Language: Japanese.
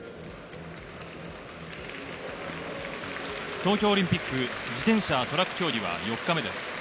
東京オリンピック自転車トラック競技は４日目です。